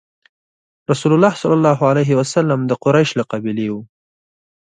رسول الله ﷺ د قریش له قبیلې وو.